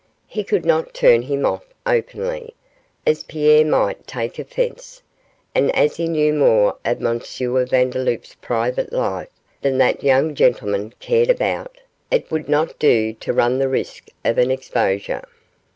He could not turn him off openly, as Pierre might take offence, and as he knew more of M. Vandeloup's private life than that young gentleman cared about, it would not do to run the risk of an exposure.